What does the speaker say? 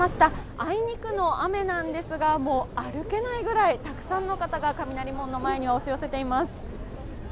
あいにくの雨なんですが、もう歩けないぐらいたくさんの方が雷門の前には押し寄せています。